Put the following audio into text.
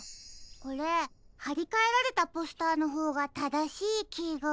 これはりかえられたポスターのほうがただしいきが。